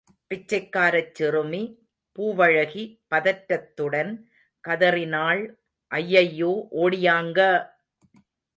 பிச்சைக்காரச் சிறுமி பூவழகி பதற்றத்துடன் கதறினாள் ஐயையோ, ஓடியாங்க!...